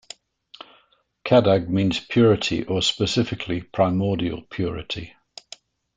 "Kadag" means "purity" or specifically "primordial purity".